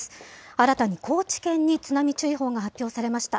新たに高知県に津波注意報が発表されました。